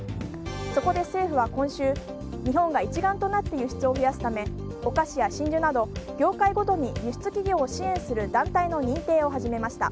そこで政府は今週日本が一丸となって輸出を増やすためお菓子や真珠など、業界ごとに輸出企業を支援する団体の認定を始めました。